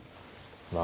まあ。